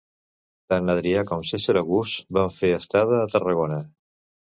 Tant Adrià com Cèsar August van fer estada a Tarragona.